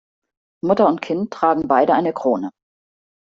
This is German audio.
Mutter und Kind tragen beide eine Krone.